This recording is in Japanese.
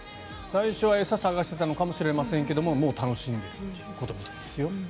最初は餌を探していたのかもしれませんがもう楽しんでいるということみたいですよ。